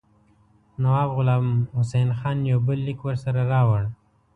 نواب غلام حسین خان یو بل لیک ورسره راوړ.